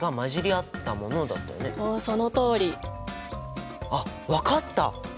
おおそのとおり！あっ分かった！